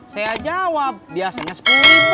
saya jawab biasanya sepuluh